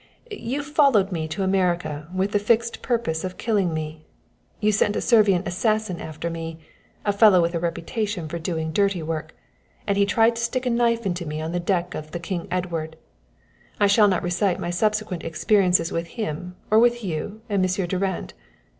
You followed me to America with the fixed purpose of killing me. You sent a Servian assassin after me a fellow with a reputation for doing dirty work and he tried to stick a knife into me on the deck of the King Edward. I shall not recite my subsequent experiences with him or with you and Monsieur Durand.